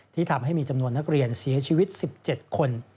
ทำให้มีจำนวนนักเรียนเสียชีวิต๑๗คน